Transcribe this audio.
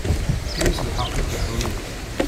Tefka-as lḥeqq i Dda Ḥemmu.